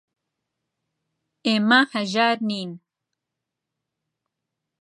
ئێمە هەژار نین.